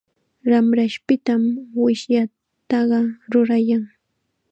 Ramrashpitam wishllataqa rurayan.